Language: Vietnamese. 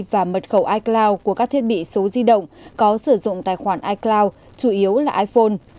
và mật khẩu icloud của các thiết bị số di động có sử dụng tài khoản icloud chủ yếu là iphone